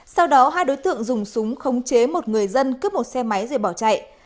sau đó hai đối tượng dùng súng khống chế một người dân cướp một xe máy rồi bỏ chạy